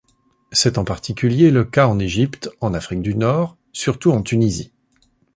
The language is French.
C'est en particulier le cas en Égypte, en Afrique du Nord, surtout en Tunisie.